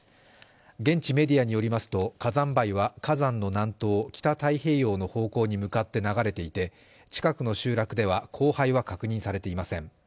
現地メディアによりますと火山灰は火山の南東北太平洋の方向に向かって流れていて、近くの集落では降灰は確認されていません。